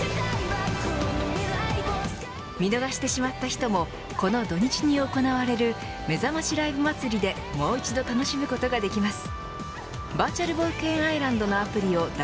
見逃してしまった人もこの土日に行われるめざましライブ祭りでもう一度楽しむことができます。